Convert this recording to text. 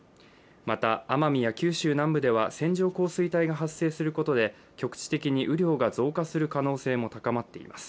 また、奄美や九州南部では線状降水帯が発生することで、雨量が増加する可能性も高まっています。